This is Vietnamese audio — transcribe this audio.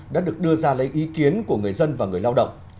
đã được đưa ra lấy ý kiến của người dân và người lao động